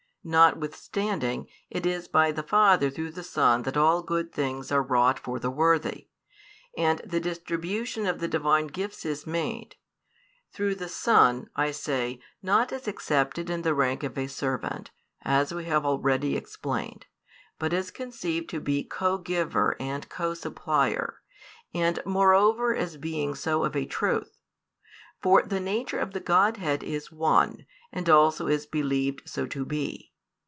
Notwithstanding, it is by the Father through the Son that all good things are wrought for the worthy, and the distribution of the Divine gifts is made; through the Son, I say, not as accepted in the rank of a servant, as we have already explained, but as conceived to be Co Giver and Co Supplier, and moreover as being so of a truth. For the nature of the Godhead is one, and also is believed so to be.